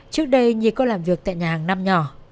trước đây nhi có làm việc tại nhà hàng năm nhỏ